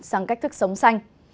sang cách thức sống xanh